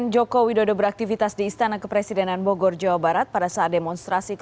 jokowi berada di bogor